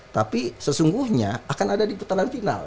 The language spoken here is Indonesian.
tapi sesungguhnya akan ada di putaran final